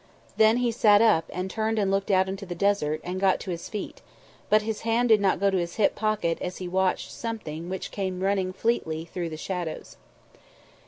Then he sat up and turned and looked out into the desert and got to his feet, but his hand did not go to his hip pocket as he watched something which came running fleetly through the shadows.